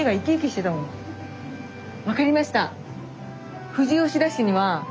分かりました。